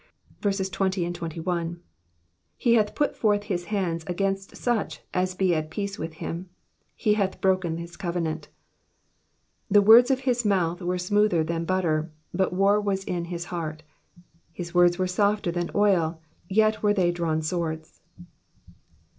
20 He hath put forth his hands against such as be at peace with him : he hath broken his covenant. 21 T/ie words of his mouth were smoother than butter, but war was in his heart : his words were softer than oil, yet were they drawn swords.